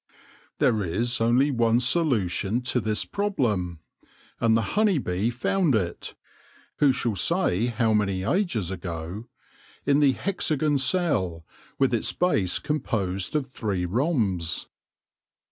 There is only one solution to this problem ; and the honey bee found it — who shall say how many ages ago ?— in the hexagon cell, with its base com posed of three rhombs.